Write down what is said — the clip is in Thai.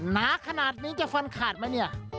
หนาขนาดนี้จะฟันขาดไหมเนี่ย